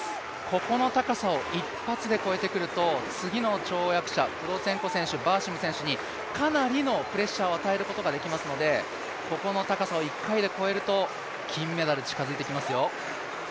ここの高さを一発で越えてくると次の跳躍者プロツェンコ選手、バーシム選手にかなりのプレッシャーを与えることができますのでここの高さを１回で超えると、金メダル、近づいてきますよ。